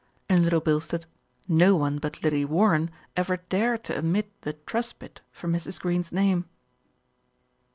In Little Bilstead, no one but Lady Warren ever dared to omit the "Truspitt" from Mrs. Greene's name.